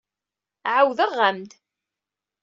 Ɛawdeɣ-am-d.